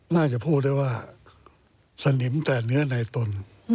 น่าจะพูดได้ว่าสนิมแต่เนื้อในตน